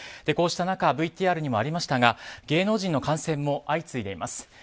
こうした中ＶＴＲにもありましたが芸能人の感染も相次いでいます。